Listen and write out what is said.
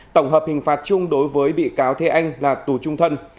tổng hợp hình phạt chung đối với bị cáo thế anh là tù trung thân